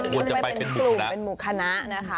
กลุ่มเป็นหมู่คณะนะคะ